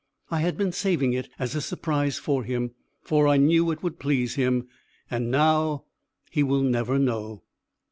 I had been saving it as a surprise for him, for I knew it would please him. And now he will never know.